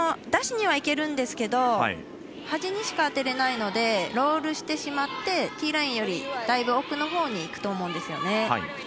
出しにはいけるんですけど端にしか当てれないのでロールしてしまってティーラインよりだいぶ奥のほうにいくと思うんですよね。